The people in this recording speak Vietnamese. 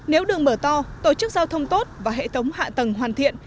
nếu đường mở to tổ chức giao thông tốt và hệ thống hạ tầng hoàn thiện